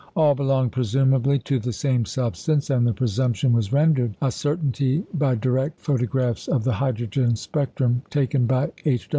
All belonged presumably to the same substance; and the presumption was rendered a certainty by direct photographs of the hydrogen spectrum taken by H.